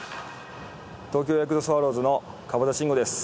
東京ヤクルトスワローズの川端慎吾です。